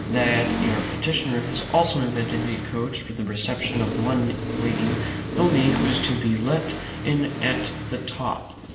"That your petitioner has also invented a coach for the reception of one lady only, who is to be let in at the top.